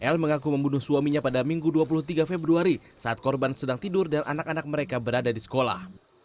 l mengaku membunuh suaminya pada minggu dua puluh tiga februari saat korban sedang tidur dan anak anak mereka berada di sekolah